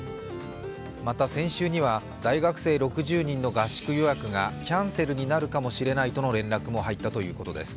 また、先週には大学生６０人の合宿予約がキャンセルになるかもしれないとの連絡が入ったということです。